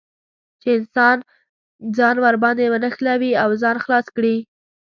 چې انسان ځان ور باندې ونښلوي او ځان خلاص کړي.